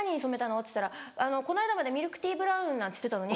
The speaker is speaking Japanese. っつったらこの間までミルクティーブラウンなんて言ってたのに。